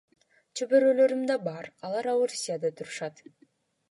Чөбөрөлөрүм да бар, алар да Орусияда турушат.